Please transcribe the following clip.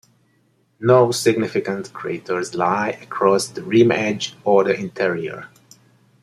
No significant craters lie across the rim edge or the interior.